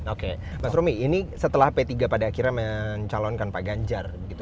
oke mas romi ini setelah p tiga pada akhirnya mencalonkan pak ganjar begitu